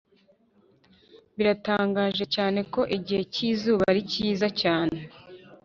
biratangaje cyane ko igihe cyizuba ari cyiza cyane;